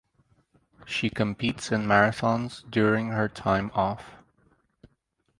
She competes in marathons during her time off.